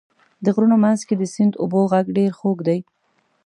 د غرونو منځ کې د سیند اوبو غږ ډېر خوږ دی.